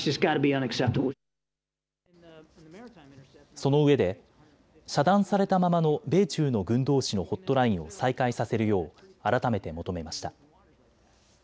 そのうえで遮断されたままの米中の軍どうしのホットラインを再開させるよう改めて求めました。